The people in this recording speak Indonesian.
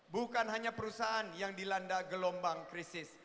bukan hanya perusahaan yang dilanda gelombang krisis